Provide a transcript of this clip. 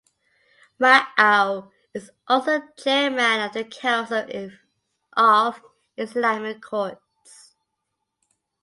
Ma’ow is also Chairman of the Council of Islamic Courts.